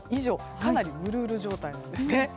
かなりウルウル状態なんですね。